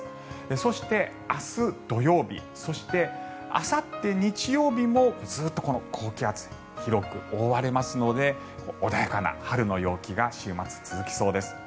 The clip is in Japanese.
そして、明日土曜日そして、あさって日曜日もずっと高気圧に広く覆われますので穏やかな春の陽気が週末、続きそうです。